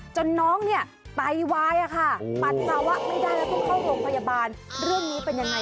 จนน้องเนี่ยไตวายค่ะ